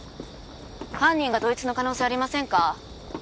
犯人が同一の可能性ありませんか？